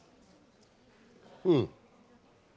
うん。